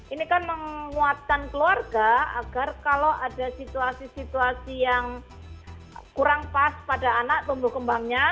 ini kan menguatkan keluarga agar kalau ada situasi situasi yang kurang pas pada anak tumbuh kembangnya